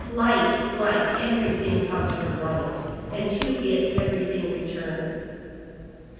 light! light! everything comes from light, and to it everything returns.